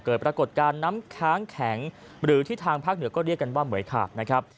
เกิดปรากฏการณ์น้ำค้างแข็งหรือที่ทางภาคเหนือก็เรียกกันว่าเหมือยขาดนะครับ